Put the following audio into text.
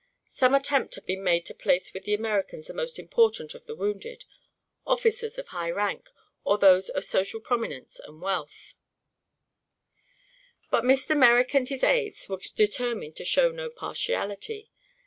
Some attempt had been made to place with the Americans the most important of the wounded officers of high rank or those of social prominence and wealth but Mr. Merrick and his aids were determined to show no partiality.